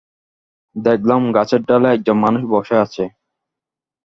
দেখলাম, গাছের ডালে একজন মানুষ বসে আছে।